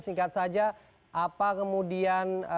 singkat saja apa kemudian